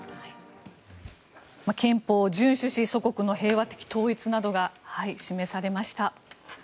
憲法を順守し祖国の平和的統一が示されました。